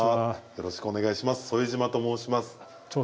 よろしくお願いします。